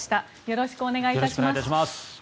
よろしくお願いします。